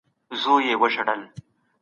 ډیپلوماټان ولي د جګړې مخنیوی کوي؟